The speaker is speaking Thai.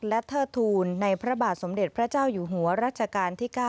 และเทิดทูลในพระบาทสมเด็จพระเจ้าอยู่หัวรัชกาลที่๙